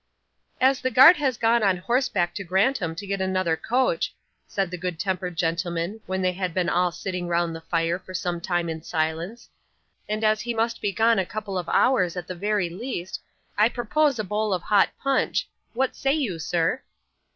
'As the guard has gone on horseback to Grantham to get another coach,' said the good tempered gentleman when they had been all sitting round the fire, for some time, in silence, 'and as he must be gone a couple of hours at the very least, I propose a bowl of hot punch. What say you, sir?